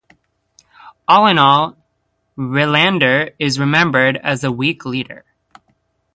All in all, Relander is remembered as a weak leader.